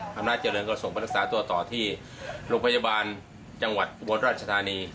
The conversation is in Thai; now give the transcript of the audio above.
ธรรมนาจเจริญก็ส่งพนักศึกษาตัวต่อที่โรงพยาบาลจังหวัดบนราชธานี